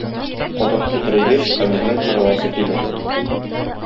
Кадак кәкрәйгәч, Камилнең кырыласы килә.